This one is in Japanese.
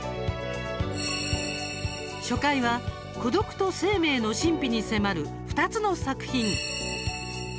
初回は、孤独と生命の神秘に迫る２つの作品。